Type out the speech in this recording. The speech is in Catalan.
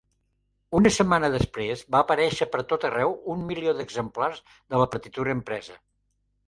Unes setmanes després va aparèixer pertot arreu un milió d'exemplars de la partitura impresa.